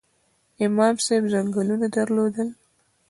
امام صاحب ځنګلونه درلودل؟